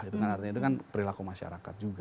itu kan perilaku masyarakat juga